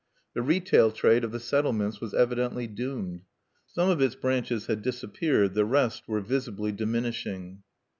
The retail trade of the settlements was evidently doomed. Some of its branches had disappeared; the rest were visibly diminishing.